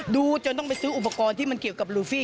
จนต้องไปซื้ออุปกรณ์ที่มันเกี่ยวกับลูฟี่